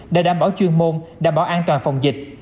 để đảm bảo chuyên môn đảm bảo an toàn phòng dịch